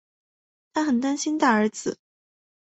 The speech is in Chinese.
她很担心大儿子